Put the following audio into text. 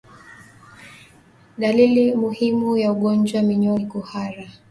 Dalili muhimu ya ugonjwa wa minyoo ni kuhara